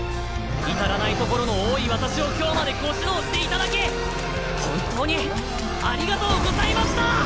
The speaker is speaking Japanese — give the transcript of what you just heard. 至らないところの多い私を今日までご指導していただき本当にありがとうございました！